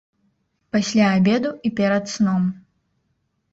Пасля абеду і перад сном.